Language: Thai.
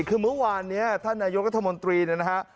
คือเมื่อวานนี้ท่านนายกรัฐมนตรีเนี่ยนะฮะ